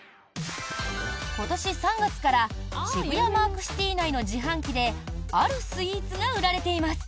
今年３月から渋谷マークシティ内の自販機であるスイーツが売られています。